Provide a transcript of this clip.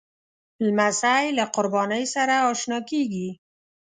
لمسی له قربانۍ سره اشنا کېږي.